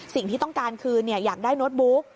สิ่งที่ต้องการคืออยากได้โน้ตบุ๊ก